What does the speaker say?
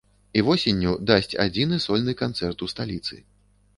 І восенню дасць адзіны сольны канцэрт у сталіцы.